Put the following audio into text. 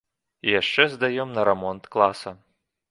І яшчэ здаём на рамонт класа.